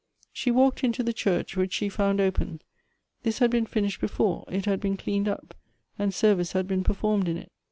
She walked into the church, which she found open. This had been finished before ; it had been cleaned up, and service had been performed in it.